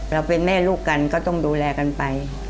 เราเป็นแม่ลูกกันก็ต้องดูแลกันไป